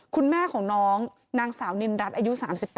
คุณแม่ของน้องนางสาวนินรัฐอายุ๓๘